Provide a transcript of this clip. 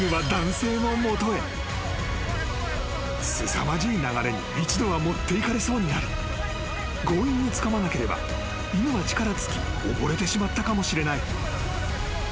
［すさまじい流れに一度は持っていかれそうになり強引につかまなければ犬は力尽き溺れてしまったかもしれない］